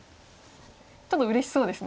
ちょっとうれしそうですね